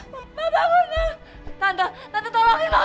tante tolongin bapak tante